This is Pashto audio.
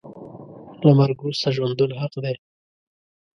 له مرګ وروسته ژوندون حق دی .